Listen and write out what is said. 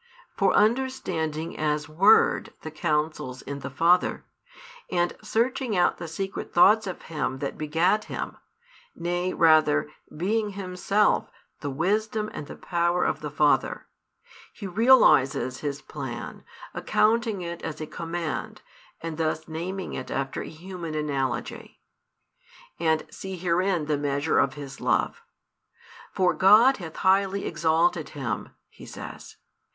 For understanding as Word the counsels in the Father, and searching out the secret thoughts of Him that begat Him, nay rather being Himself the Wisdom and the Power of the Father, He realises His plan, accounting it as a command, and thus naming it after a human analogy. And see herein the measure of His love. For God hath highly exalted Him, He says.